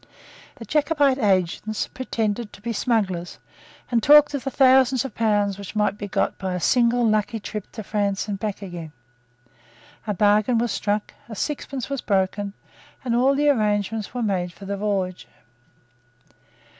The Jacobite agents pretended to be smugglers, and talked of the thousands of pounds which might be got by a single lucky trip to France and back again. A bargain was struck: a sixpence was broken; and all the arrangements were made for the voyage.